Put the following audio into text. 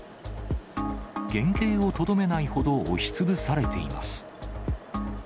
原形をとどめないほど押しつぶされています。